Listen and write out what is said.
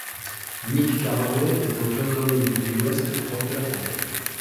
Nick Carraway est un jeune homme du Midwest proche de la trentaine.